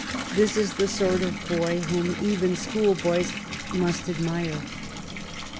'' This is the sort of boy whom even schoolboys must admire.